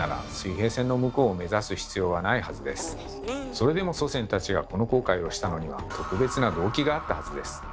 それでも祖先たちがこの航海をしたのには特別な動機があったはずです。